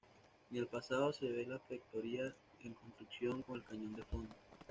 En el Pasado se ve la factoría en construcción, con el cañón de fondo.